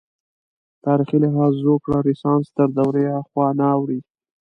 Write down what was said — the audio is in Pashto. تاریخي لحاظ زوکړه رنسانس تر دورې هاخوا نه اوړي.